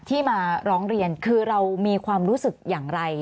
มาร้องเรียนคือเรามีความรู้สึกอย่างไร